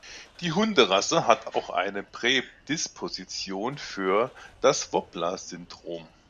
Die Hunderasse hat auch eine Prädisposition für das Wobbler-Syndrom.